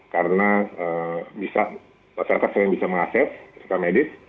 karena masyarakat selain bisa meng access rekam medis